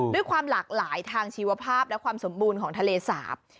ด้วยความหลากหลายทางชีวภาพและความสมบูรณ์ของทะเลสาบ